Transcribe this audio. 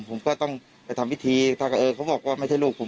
ผมก็ต้องไปทำพิธีถ้าก็เออเขาบอกว่าไม่ใช่ลูกผม